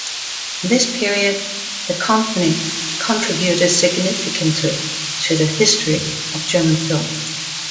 In this period, the company contributed significantly to the history of German film.